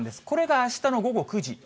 これがあしたの午後９時。